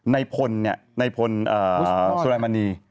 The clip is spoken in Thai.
ในพลในพลสุไรมะนี